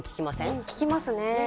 うん聞きますね。